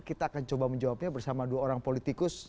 kita akan coba menjawabnya bersama dua orang politikus